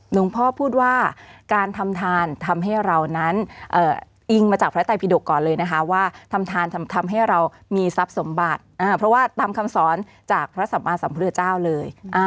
หลวงพ่อพูดว่าการทำทานทำให้เรานั้นอิงมาจากพระไตพิดกก่อนเลยนะคะว่าทำให้เรามีทรัพย์สมบัติเพราะว่าตามคำสอนจากพระสัมมาสัมพุทธเจ้าเลย